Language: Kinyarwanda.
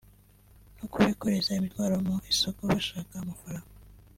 no kubikoreza imitwaro mu isoko (Bashaka amafaranga)